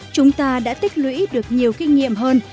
chúng ta đã tích lũy được nhiều kinh nghiệm hơn